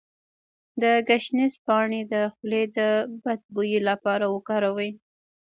د ګشنیز پاڼې د خولې د بد بوی لپاره وکاروئ